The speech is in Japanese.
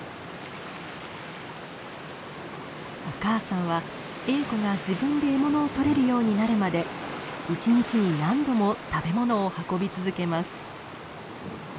お母さんはエーコが自分で獲物をとれるようになるまで一日に何度も食べものを運び続けます。